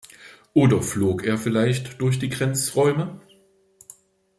Oder flog er vielleicht durch die Grenzräume?